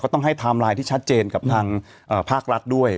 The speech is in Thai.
ต้องให้ไทม์ไลน์ที่ชัดเจนกับทางภาครัฐด้วย